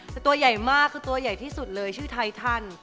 แต่ตัวใหญ่มากคือตัวใหญ่ที่สุดเลยชื่อไททัน